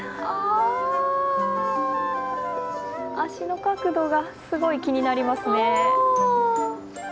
足の角度がすごい気になりますね。